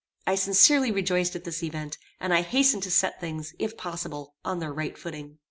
I sincerely rejoiced at this event, and I hastened to set things, if possible, on their right footing.